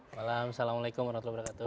malam assalamu'alaikum warahmatullahi wabarakatuh